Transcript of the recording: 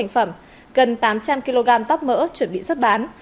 gần tám trăm linh kg tóc mỡ chuẩn bị xuất bán